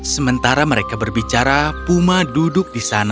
kamu tidak kesayangan khairan